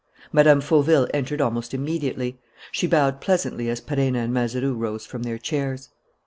Madame Fauville entered almost immediately. She bowed pleasantly as Perenna and Mazeroux rose from their chairs.